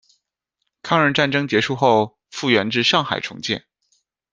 抗日战争结束后，复员至上海重建。